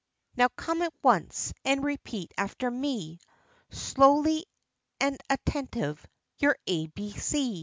Now come at once, and repeat after me, Slowly and attentive, your ABC.